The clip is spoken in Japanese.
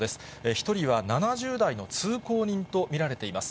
１人は７０代の通行人と見られています。